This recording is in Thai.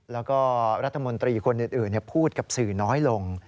แล้วก็รัฐมนตรีคนอื่นพูดกับสื่อน้อยลง